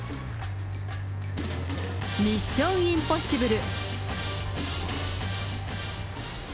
ミッション・インポッシブル。